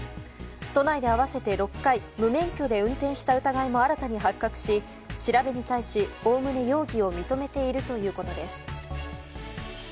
都内で合わせて６回無免許で運転した疑いも新たに発覚し調べに対し、おおむね容疑を認めているということです。